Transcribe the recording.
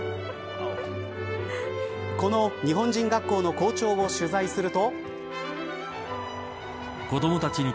この日本人学校の校長を取材すると。